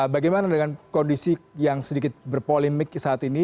bagaimana dengan kondisi yang sedikit berpolemik saat ini